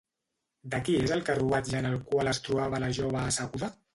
De qui és el carruatge en el qual es trobava la jove asseguda?